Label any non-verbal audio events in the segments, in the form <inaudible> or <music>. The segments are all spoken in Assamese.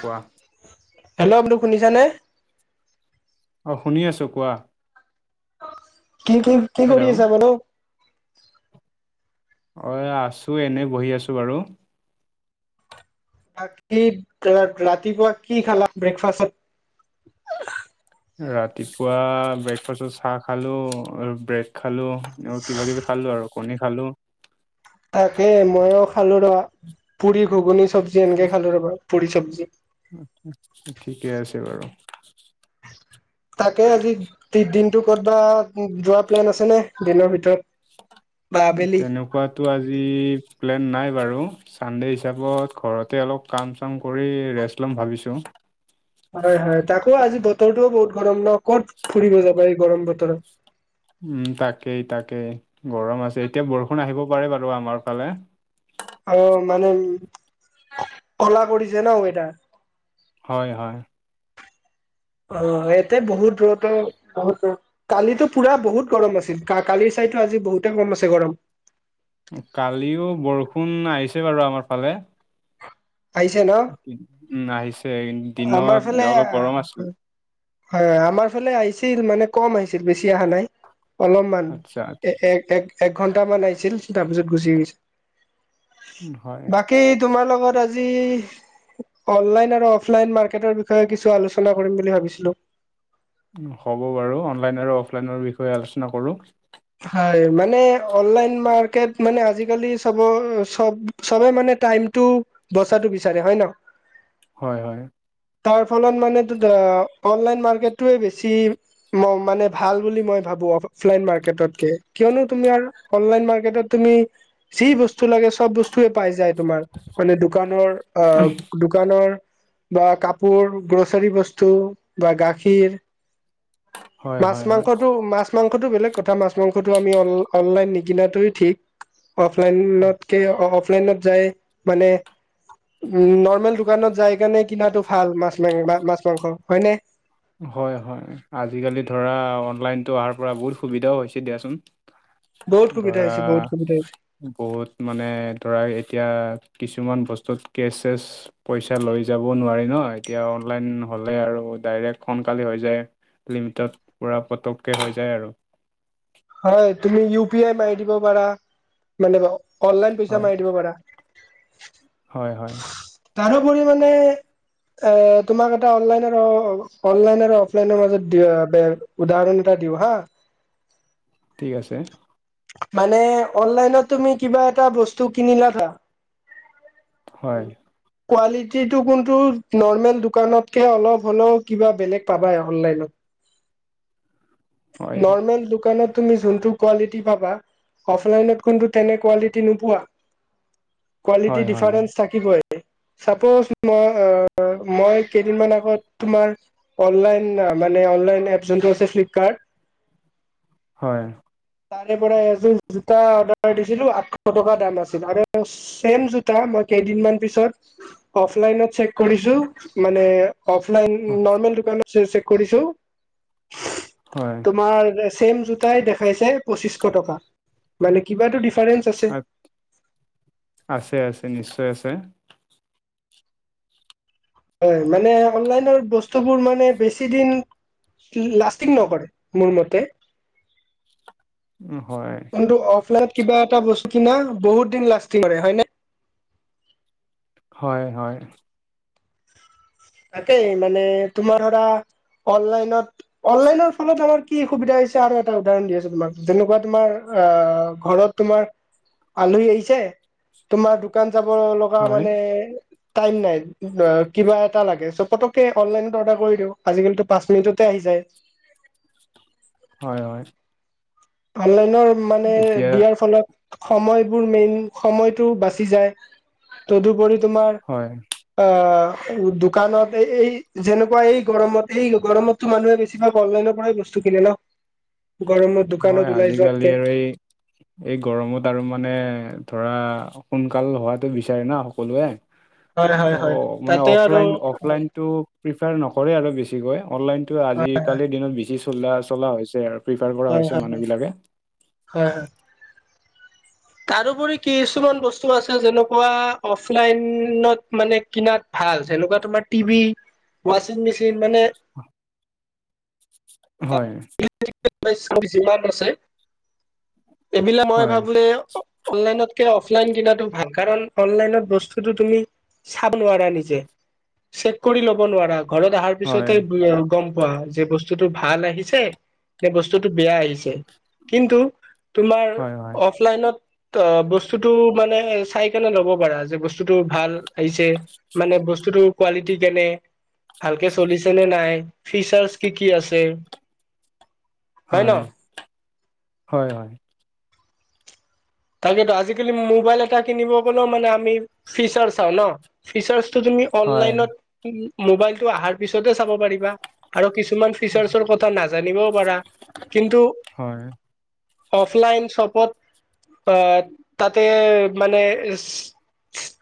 কোৱা। হেল্ল' বোলো শুনিছানে? অ শুনি আছোঁ। কোৱা? কি কি কি কৰি হেল্ল' আছা বোলো? অ আছো এনে বহি আছো বাৰু। বাকী ৰাতিপুৱা কি খালা ব্ৰেকফাষ্টত? ৰাতিপুৱা ব্ৰেকফাষ্টত চাহ খালো আৰু ব্ৰেড খালো আৰু কিবা কিবি খালো আৰ। আৰু কণী খালো। <inaudible> তাকে মইয়ো খালো ৰ পুৰি ঘুগুনি চব্জি এনেকে খালো ৰব পুৰি চব্জি। ঠিকে আছে বাৰু। তাকে আজি দিনতটো ক'ত বা যোৱা প্লেন আছে নে দিনৰ ভিতৰত? বা আবেলি? তেনেকুৱাতো আজি প্লেন নাই। বাৰু চানডে হিচাপত ঘৰতে অলপ কাম চাম কৰি ৰেষ্ট ল'ম ভাবিছো। হয় হয় তাকো আজি বতৰটোও বহুত গৰম ন ক'ত ফুৰিব যাবা এই গৰম বতৰত। উম তাকেই তাকেই গৰম আছে এতিয়া বৰষুণ আহিব পাৰে বাৰু আমাৰ ফালে। অ মানে উ কলা কৰিছে ন ৱেদাৰ। হয় হয় অ ইয়াতে বহুত দূৰত বহুত দূ কালিতো পুৰা বহুত গৰম আছিল কালি চা- সেটো আজি বহুতে কম আছে গৰম। কালিও বৰষুণ আহিছে বাৰু আমাৰ ফালে। আহিছে ন? উম আহিছে। আমাৰ দিনত ফালে অলপ গৰম আছিল। হয় আমাৰ ফাল- লে আহিছিল মানে কম আহিছিল বেছি অহা নাই। অলপমান আচ্ছা, আচ্ছা। এক এক ঘন্টা মান আহিছিল তাৰপিছত গুচি গৈছিল। উম, হয়। বাকী তোমাৰ লগত- আজি অনলাইন আৰু অ- অফলাইন মাৰ্কেটৰ বিষয়ে কিছু আলোচনা কৰিম বুলি ভাবিছিলোঁ। হ'ব বাৰু অনলাইন আৰু অফলাইনৰ বিষয়ে আলোচনা কৰোঁ। হয় মানে অনলাইন মাৰ্কেট মানে আজিকালি চাব চব চবেই মানে টাইমটো বচাটো বিচাৰে হয় ন। হয় হয়। তাৰ ফলত মানে অনলাইন মাৰ্কেটয়ে বেছি মানে ভাল বুলি মই ভাবো। অফলাইন মাৰ্কেটত কে কিয়নো তোমাৰ অনলাইন মাৰ্কেটত তুমি যি বস্তু লাগে চব বস্তুয়ে পাই যায় তোমাৰ মানে দোকানৰ অ দোকানৰ বা কাপোৰ গ্ৰ'চাৰী বস্তু বা গাখীৰ হয়, মাছ, হয়, হয়। মাংসটো মাছ মাছ, মাংসটো বেলেগ কথা মাছ, মাংসটো আমি অনলাইন নিকিনাটোৱে ঠিক। অফলাইনতকে অফলাইনত যায় মানে উ নৰ্মেল দোকানত যাই কাৰণে কিনাটো ভাল মাছ মাং মাছ, মাংস হয়নে। হয় হয় আজিকালি ধৰা অনলাইনতো অহাৰ পৰা বহুত সুবিধাও হৈছে দিয়াচোন। <inaudible> ধৰা হৈছে বহুত সুবিধা হৈছে বহুত মানে ধৰা এতিয়া কিছুমান বস্ত- য'ত কেচ চেছ পইচা লৈ যাব নোৱাৰি ন এতিয়া অনলাইন হ'লে আৰু ডাইৰেক্ট সোনকাল হৈ যায় লিমটত পৰা পতকছ হৈ যায় আৰু। হয় তুমি ইউ পি আই মাৰি দিব পাৰা, মানে <inaudible> অনলাইন পইচা হয়, মাৰি দিব পাৰা। হয় হয়। তাৰোপৰি মানে এ তোমাক এটা অনলাইন অনলাইন আৰু অফলাইনৰ মাজত <unintelligible> উদাহৰণ এটা দিওঁ হা। ঠিক আছে। মানে অনলাইনত তুমি কিবা এটা বস্তু কিনিলা ধৰা হয়। কোৱালিটিটো কোনটো নৰ্মেল দোকানতকে অলপ হ'লেও কিবা বেলেগ পাবাই অনলাইনত। হয়, নৰ্মেল দোকানত তুমি যোনটো কোৱেলিটি পাবা অফলাইনতোন তেনে কোৱালিটি নোপোৱা। হয়, কোৱালিটি হয়, হয়, ডিফাৰেন্ঞ্চ থাকিবই চাপজ তোমাৰ মই কেইদিনমান আগত তোমাৰ অনলাইন মানে অনলাইন এপ যোনটো আছে ফিলিপ কাৰ? হয়। তাৰে পৰা এযোৰ জোতা অৰ্ডাৰ দিছিলো আঠশ টকা দাম আছিল আৰু চ ছেম জোতা মই, কেদিনমান পিছত অফলাইনত চেক কৰিছো, মানে অফলাইন নৰ্মেল দোকানত চেক কৰিছো <unintelligible> হয়, তোমাৰ চছেম জোতাই দেখাইছে পঁচিশশ টকা মানে কিবা টো দিচ আ আছে আছে নিশ্চয় আছে। হয় মানে অনলাইনৰ বস্তুবোৰ মানে বেছি দিন লাষ্টিং নকৰে মোৰ মতে। হয়। কিন্তু অফলাইনত কিবা এটা বস্তু কিনা বহুত দিন লাষ্টিং কৰে হয় নে? হয় হয়। তাকেই মানে তোমাৰ ধৰা অনলাইনত অনলাইনৰ ফলত আমাৰ কি সুবিধা হৈছে আৰু এটা উদাহৰণ দি আছে তোমাক যেনেকুৱা তোমাৰ অ ঘৰত তোমাৰ আলহী আহিছে তোমাৰ দোকান দোকান যাব লগা হয়, মানে টাইম নাই কিবা লাগে চ পতকে অনলাইনত অৰ্ডাৰ কৰি দিও আজিকালিত পাঁচ মিনিটতে আহি যায়। <unintelligible> হয় হয়। অনলাইনৰ মানে এতিয়া দিয়াৰ ফলত সময়বোৰ মেইন সময়টো বাচি যায় তদুপৰি, তোমাৰ হয়, আহ দোকানত এই এই যেনেকুৱা এই গৰমত এই গৰমতো মানুহে বেছিভাগ অনলাইনৰ পৰাই বস্তু, কিনে ন গৰমত। হয় দোকানত ওলাই আজিকালি যোৱাতকে আৰু এই এই গৰমত আৰু মানে ধৰা, সোনকাল হোৱাতটো বিচাৰে না সকলোৱে, হয় ত' হয় হয় মানে তাতে আৰু অফলাইন অফলাইনতটো প্ৰিফাৰ নকৰে আৰু বেছিকৈ। অনলাইনতটো হয় আজিকালিৰ দিনত বেছি চলা চলা হৈছে আৰু প্ৰিফাৰ কৰা হয় হৈছে। হয়, মানুহবিলাকে হয় হয় তাৰোপৰি কিছুমান বস্তু আছে যেনেকুৱা অফলাইনত মানে কিনাত ভাল। ভাল তেনেকুৱা তোমাৰ টিভি, ৱাচিং মেচিন মানে হয়। যিমান আছে এইবিলাক মই হয়, ভাবো অনলাইনত কে অফলাইন কিনাটো ভাল, কাৰণ অনলাইনত বস্তুতো তুমি চাব নোৱাৰা নিজে। চেক কৰি ল'ব নোৱাৰা ঘৰত অহাৰ পিছতে হয়, গম পোৱা যে বস্তুতটো ভাল আহি চে এই বস্তুটো বেয়া আহিছে কিন্তু তোমাৰ হয়, হয়, অফলাইনত, তাৰপাছতো মানে চাইকেল ল'ব পাৰা যে বস্তুতটো ভাল। আহিছে মানে বস্তুটো কোৱালিটি কেনে, ভালকে চলিছে, নে নাই ফিচাৰ্চ কি কি আছে, হয়, হয়, হয়। তাকেতো আজিকালি মোবাইল এটা কিনিব গলেও মানে আমি ফিচাৰ চাওঁ ন ফিচাৰ তো তুমি হয়, অনলাইন মোবাইলটো আহাৰ পাছত হে চাব পাৰিবা। কিছুমান হয়। ফিচাৰ্চৰ কথা নাজানিব পৰা কিন্তু হয় অফলাইন শ্বপত অহ তাতে মানে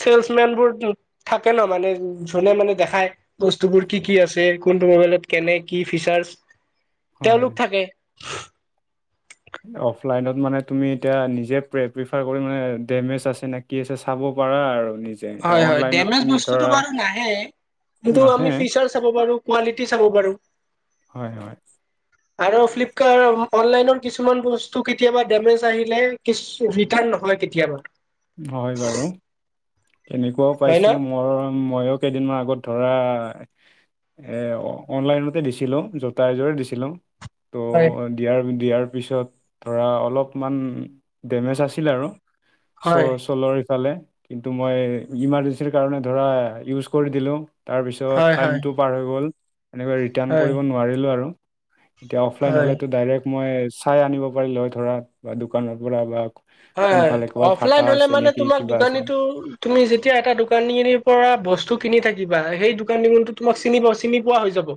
শ্বিল্ড মেন্দ বোৰ থাকে ন মানে যোনে মানে দেখাই বস্তুবোৰ কি কি আছে। কোনটো মোবাইলত কেনে কি ফিচাৰ্চ হয় তেওঁলোক থাকে অফলাইনত মানে তুমি এতিয়া নিজে প্ৰে প্ৰিফাৰ কৰি মানে ডমেজ আছে নে কি আছে চাব পৰা আৰু নিজে এতিয়া হয় অনলাইনত দেমেজ তুমি বস্তটো ধৰা বাৰু নাহে কিন্তু নাহে আমি ফিচাৰাৰ চাব পাৰোঁ। কোৱালিটি চাব পাৰোঁ হয় হয় আৰু ফ্লিপকাৰ্টত অনলাইন কিছুমান বস্তু কেতিয়াবা ডেমেজ আহিলে ৰিতান ন নহয় কেতিয়াবা হয় বাৰু তেনেকুৱাও হয় ন পাইছোঁ মই ময়ো কেইদিনমান আগত ধৰা এ অনলাইনতে দিছিলো জোতা এযোৰ দিছিলো হয় ত' দিয়াৰ দিয়াৰ পিছত ধৰা অলপমান ডেমেজ আছিল আৰু চো হয় চলৰ ইফালে কিন্তু মই ইমাৰ্জেঞ্চিৰ কাৰণে ধৰা ইউজ কৰি দিলোঁ তাৰপিছত হয় হয় হয় টাইমটো পাৰ হৈ গ'ল এনেকৈ ৰিটাৰ্ণ হয় কৰিব নোৱাৰিলোঁ আৰু এতিয়া অফলাইন হয় হ'লেতো ডাইৰেক্ট মই চাই আনিব পাৰিলোঁ হয় ধৰা বা দোকানৰ পৰা বা হয় হয় কোনফালে ক'ৰবাত অফলাইন ফাটা ললে আছে মানে নেকি তোমাক কিবা আছে দোকানীটো নেকি। তুমি যেতিয়া এটা দোকানীৰ পৰা বস্তু আকৌ কিনি থাকিবা সেই দোকানি কিন্তু তোমাক চিনি প চিনি পোৱা হৈ যাব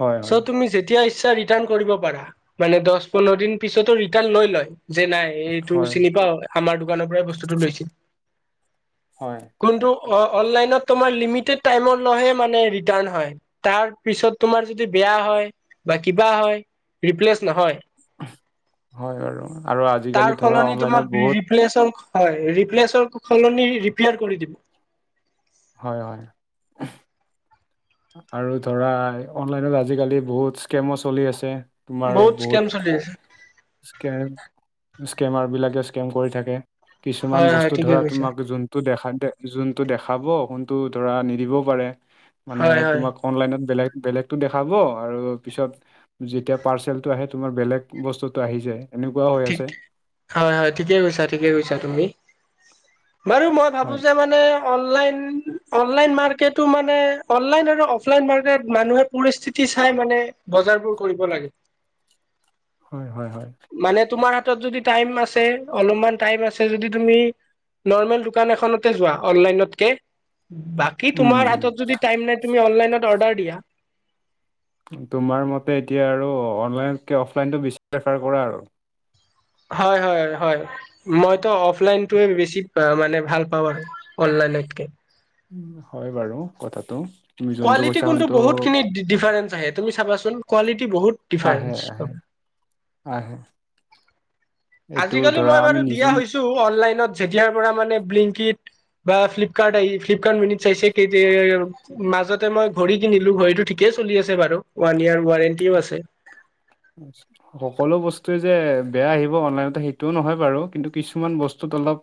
হয় চৌ হয় তুমি যেতিয়া পিছত ৰিতান কৰিব পৰা মানে দচ পোন্ধৰ দিন পিছতো ৰিতান লৈ লয় যে নাই এইটো হয় চিনি পাওঁ আমাৰ দোকানৰ পৰাই বস্তুতটো লৈছিল। হয় কোনটো অনলাইনত তোমাৰ লিমিড টাইমৰ লৈহে মানে ৰিতান হয় তাৰ পিছত তোমাৰ যদি বেয়া বেয়া হয় বা কিবা হয় ৰিপ্লেচ নহয়। হয় বাৰু আৰু আজি তাৰ সলনি তোমাক ৰিপ্লেচৰ হয় ৰিপ্লেচৰ সলনি ৰিপিয়াৰ কৰি দিব হয় হয় আৰু ধৰা অনলাইনত আজিকালি বহুত স্কেমো চলি আছে তোমাৰ বহুত স্কেম চলি আছে স্কে স্কেমাৰ বিলাকে স্কেম কৰি থাকে। কিছুমান হয় হয় বস্তু ঠিকে ধৰা কৈছা তোমাক যোনটো দেখা দে যোনটো দেখাব কোন তো ধৰা নিদিবও পাৰে মানে হয় হয় অনলাইনত বেলেগ বেলেগটো দেখাব আৰু পিছত যেতিয়া পাৰ্চেলটো আহে তোমাৰ বেলেগ বস্তুটো আহি যায় এনেকুৱাও হৈ ঠিক আছে ঠিক হয় হয় ঠিকে কৈছা ঠিকে কৈছা তুমি বাৰু মই ভাবো হয় যে মানে অনলাইন অনলাইন মাৰ্কটো মানে অনলাইন আৰু অফলাইন মাৰ্কেট মানুহে পৰিস্থিতি চাই মানে বজাৰবোৰ কৰিব লাগে হয় হয় হয় মানে তোমাৰ হাতত যদি টাইম আছে অলপমান টাইম আছে যদি তুমি নৰ্মেল দোকান এখনতে যোৱা অনলাইনত কে বাকী উম তোমাৰ উম। হাতত যদি টাই নাই তুমি অনলাইনত অৰ্ডাৰ দিয়া। তোমাৰ মতে এতিয়া আৰু অনলাইনকে অফলাইনতটো বেছি প্ৰেফাৰ কৰা আৰু হয় হয় হয় মইতো অফলাইনটোয়ে বেছি মানে ভাল পাওঁ আৰু অনলাইনত লাইনতকে- উ হয় বাৰু কথাটো। তুমি যোনটো কোৱেলিটি কৈছা কোনটো সোনটো বহুতখিনি ডিফাৰেন্ট- তুমি চাবাচোন কোৱালিটি বহুত আহে আহে ডিফাৰেঞ্চ- আহে এইটো আজিকালি ধৰা মই আমি বাৰু নিজে দিয়া হৈছো অনলাইনত যেতিয়াৰ পৰা মানে ব্লিংকিট বা ফ্লিপকাৰ্ট আহি ফ্লিপকাৰ্ট মিনিট আহিছে মাজতে মই ঘড়ী কিনিলো ঘড়ীটো ঠিকে। চলি আছে বাৰু ৱান ইয়েৰ সকলো বস্তুৱে- যে বেয়া আহিব অনলাইনতে সেইটোও নহয় বাৰু কিন্তু কিছুমান বস্তুত অলপ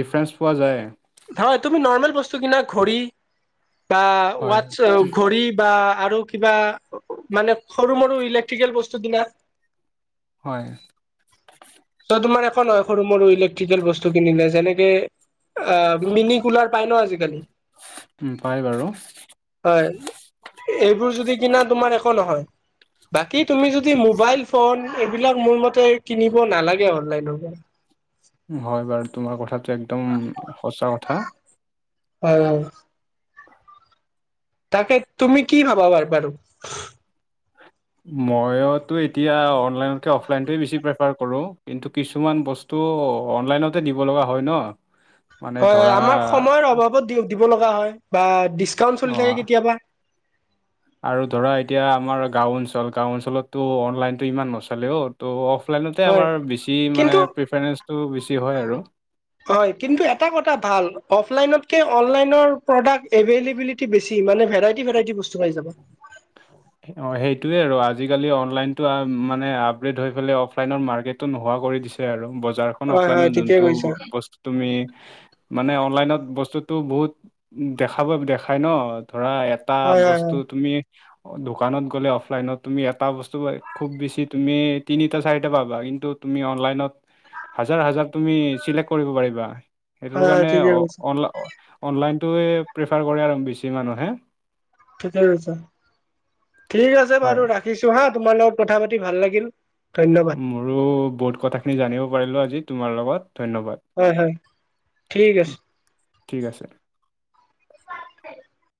ডিফাৰেন্স পোৱা যায়। নহয় তুমি নৰ্মেল বস্তু কিনা ঘড়ী বা হয় ৱাছ ঘড়ী বা আৰু কিবা মানে সৰু মৰু ইলেক্ট্ৰিকেল বস্তু কিনা হয় সেইটো মানে একো নহয় সৰু মৰু ইলেক্ট্ৰিকেল বস্তু কিনিলে যেনেকে এ মিনি কুলাৰ পাই ন আজিকালি উম পাই। বাৰু হয় এইবোৰ যদি কিনা তোমাৰ একো নহয় বাকী তুমি যদি মোবাইল ফোন এইবিলাক মোৰ মতে কিনিব নালাগে অনলাইন- <inaudible> হয় বাৰু তোমাৰ কথাটো একদম সঁচা কথা। হয় হয়। তাকে তুমি কি ভাবা বাৰ বাৰু মইতো এতিয়া অনলাইনকে অফলাইনটোৱে বেছি প্ৰেফাৰ কৰোঁ কিন্তু কিছুমান বস্তু- ও অনলাইনতে দিব লগা হয় ন- মানে হয় ধৰা আমাক সময়ৰ অভাৱত দিব লগা হয় বা ডিচকাউন্ট অ চলি থাকে কেতিয়াবা। আৰু ধৰা এতিয়া আমাৰ গাও অঞ্চল গাও অঞ্চলতো অনলাইনতো ইমান নচালেও ত' অফ ফ্লাইনতে হয় আমাৰ বেছি মানে কিন্তু প্ৰিফাৰেঞ্চটো বেছি হয় আৰু হয় কিন্তু এটা কথা ভাল অফলাইনতকে অনলাইনৰ প্ৰডাক্ট এভেইলেবিলিটি বেছি মান ভেৰাইটি ভেৰাইটি বস্তু- পাই যাবা। অ সেইটোৱে আৰু আজি আজিকালি অনলাইনতটো মানে আপগ্ৰেড হৈ পেলাই অফলাইনত মাৰ্কেটটো নোহোৱা কৰি দিছে আৰু বজাৰখন হয় হয় অফলাইনত ঠিকে জোনটো কৈছা বস্তু তুমি মানে অন অনলাইনত বস্তুতটো বহুত দেখাব দেখাই ন ধৰা এটা হয় হয় বস্তু হয় তুমি দোকানত গ'লে অফলাইনত তুমি এটা বস্তু বা খুব বেছি তুমি তিনিটা চাৰিটা পা বা কিন্তু তুমি অনলাইনত- হাজাৰ হাজাৰ তুমি চিলেক্ট কৰিব পাৰিবা সেইটো হয় হয় কাৰণে ঠিকে অ কৈছা অনলাইন- অনলাইনটোয়ে প্ৰিফাৰ কৰে আৰু বেছি মানুহে ঠিক আছে হয় বাৰু ৰাখিছো হা তোমাৰ লগত কথা পাতি ভাল লাগিল ধন্যবাদ মোৰো বহুত কথাখিনি জানিব পাৰিলো আজি তোমাৰ লগত- হয় হয় ঠিক ধন্যবাদ আছে। ঠিক আছে। <unintelligible>